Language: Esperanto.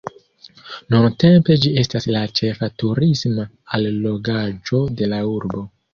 Nuntempe ĝi estas la ĉefa turisma allogaĵo de la urbo.